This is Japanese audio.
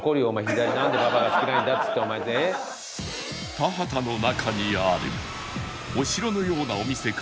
田畑の中にあるお城のようななんだよ？